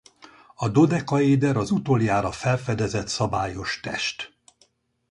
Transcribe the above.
A dodekaéder az utoljára felfedezett szabályos test.